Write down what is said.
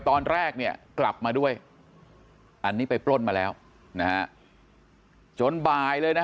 ตอนแรกเนี่ยกลับมาด้วยอันนี้ไปปล้นมาแล้วนะฮะจนบ่ายเลยนะ